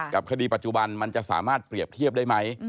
กับคดีปัจจุบันมันจะสามารถเปรียบเทียบได้ไหม